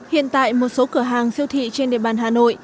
hiện tại một số cửa hàng siêu thị trên địa bàn hà nội